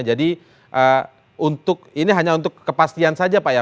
jadi ini hanya untuk kepastian saja pak ya